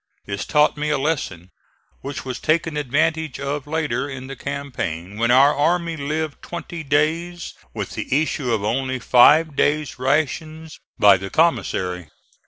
This taught me a lesson which was taken advantage of later in the campaign when our army lived twenty days with the issue of only five days' rations by the commissary.